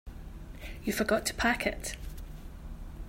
You forgot to pack it.